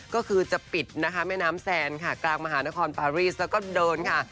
ก็คือจะปิดนะคะแม่น้ำแซนค่ะกลางมหานครปารีสแล้วก็เดินค่ะ